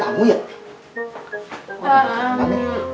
tadi ada tamu ya